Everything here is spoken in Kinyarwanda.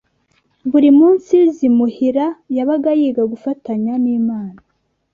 buri munsi z’imuhira, yabaga yiga gufatanya n’Imana.